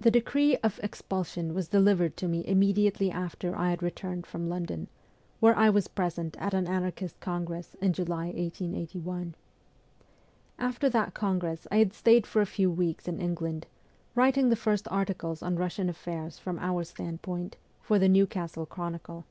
The decree of expulsion was delivered to me immediately after I had returned from London, where I was present at an anarchist congress in July 1881. After that congress I had stayed for a few weeks in England, writing the first articles on Russian affairs from our standpoint, for the 'Newcastle Chronicle.'